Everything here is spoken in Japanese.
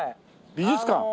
美術館？